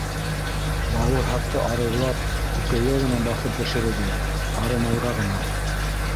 — Бауырһаҡты арыулап, күкәйгә генә баҫып бешерегеҙ, һары майға ғына.